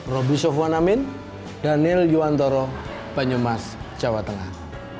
roby sofwan amin daniel yuwantoro banyumas jawa tengah